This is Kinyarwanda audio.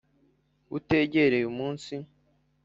utugereye umunsi